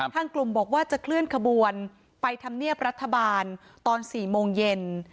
ทางกลุ่มบอกว่าจะเคลื่อนขบวนไปทำเนียบรัฐบาลตอน๔โมงเย็น